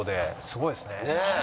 すごいですね。